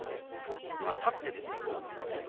「あさって」ですよ。